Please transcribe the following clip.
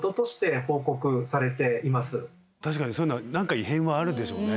確かにそういうのは何か異変はあるんでしょうね。